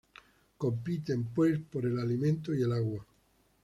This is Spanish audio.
Compiten, pues, por el alimento y el agua.